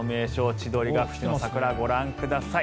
千鳥ヶ淵の桜ご覧ください。